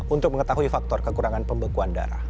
untuk mengetahui faktor kekurangan pembekuan darah